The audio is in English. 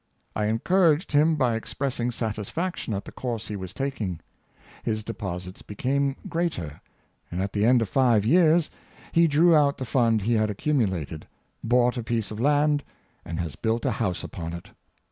I encouraged him by expressing satisfaction at the course he was taking. His deposits became greater, and at the end of five years he drew out the fund he had accumulated, bought a piece of land, and has built a house upon it.